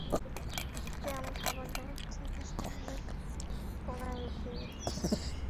ওকে, আমি খাবারদাবার চেক স্ট্যান্ডের কোণায় লুকিয়ে রেখেছি।